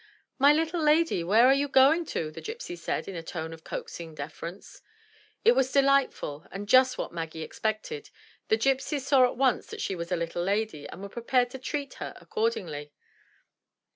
"My little lady, where are you going to?" the gypsy said in a tone of coaxing deference. It was delightful and just what Maggie expected; the gypsies saw at once that she was a little lady, and were prepared to treat her accordingly.